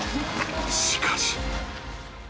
しかし